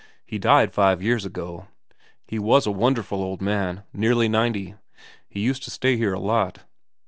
He died five years ago. He was a wonderful old man, nearly ninety. He used to stay here a lot.'